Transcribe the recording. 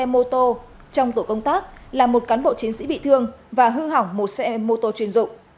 một xe mô tô trong tổ công tác là một cán bộ chiến sĩ bị thương và hư hỏng một xe mô tô chuyên dụng